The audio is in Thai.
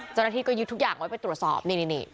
เจ้าหน้าที่ก็ยึดทุกอย่างไว้ไปตรวจสอบนี่